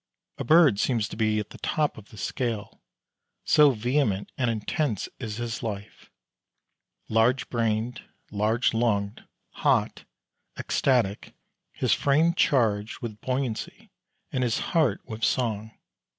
A bird seems to be at the top of the scale, so vehement and intense is his life large brained, large lunged, hot, ecstatic, his frame charged with buoyancy and his heart with song.